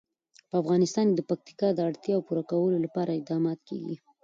په افغانستان کې د پکتیکا د اړتیاوو پوره کولو لپاره اقدامات کېږي.